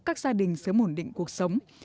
các gia đình sớm ổn định cuộc sống